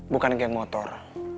bukan geng motor